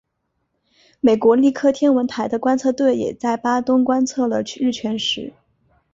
美国利克天文台的观测队也在巴东观测了日全食。